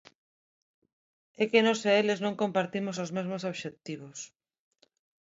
É que nós e eles non compartimos os mesmos obxectivos.